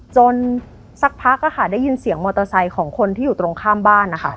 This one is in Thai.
สักพักได้ยินเสียงมอเตอร์ไซค์ของคนที่อยู่ตรงข้ามบ้านนะคะ